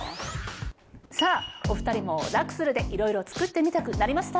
さぁお２人もラクスルでいろいろ作ってみたくなりました？